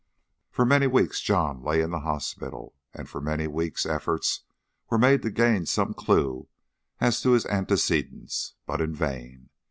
For many weeks John lay in the hospital, and for many weeks efforts were made to gain some clue as to his antecedents, but in vain.